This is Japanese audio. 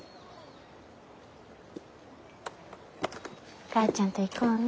お母ちゃんと行こうね。